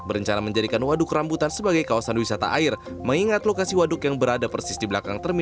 berencana menjadikan waduk yang akan dikaitkan di kawasan hulu